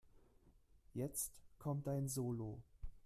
Jetzt kommt dein Solo.